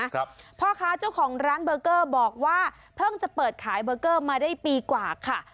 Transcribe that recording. พ่อค้าเจ้าของร้านเบอร์เกอร์บอกว่าเพิ่งจะเปิดขายเบอร์เกอร์มาได้ปีกว่าค่ะ